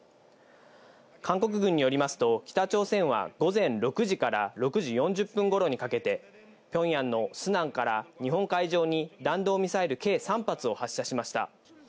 韓国軍によりますと、北朝鮮は午前６時から６時４０分頃にかけて、ピョンヤンのスナンから日本海上に弾道ミサイル計３発を発射しました。